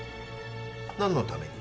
何のために？